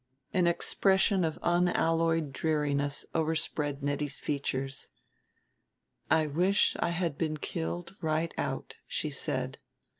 An expression of unalloyed dreariness overspread Nettie's features. "I wish I had been killed right out," she said.